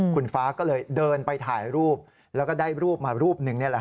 คุณฟ้าก็เลยเดินไปถ่ายรูปแล้วก็ได้รูปมารูปหนึ่ง